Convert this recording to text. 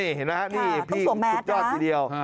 นี่พี่จุดยอดทีเดียวที่สวมแมสครับค่ะใช่